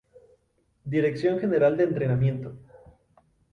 Dirección General de Entrenamiento.